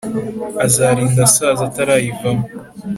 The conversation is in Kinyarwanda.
azarinda asaza atarayivamo